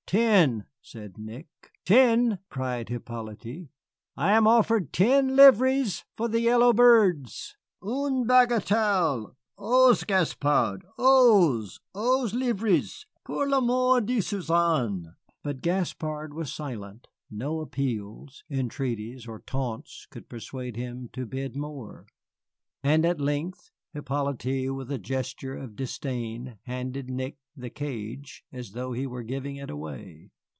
"Ten," said Nick. "Ten," cried Hippolyte, "I am offered ten livres for the yellow birds. Une bagatelle! Onze, Gaspard! Onze! onze livres, pour l'amour de Suzanne!" But Gaspard was silent. No appeals, entreaties, or taunts could persuade him to bid more. And at length Hippolyte, with a gesture of disdain, handed Nick the cage, as though he were giving it away.